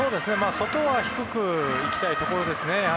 外は低くいきたいところですね。